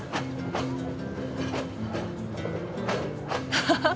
ハハハ！